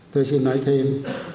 tôi xin nói thêm